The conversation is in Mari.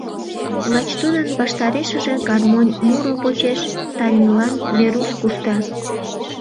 Лач тудын ваштарешыже гармонь муро почеш Танилан Веруш кушта.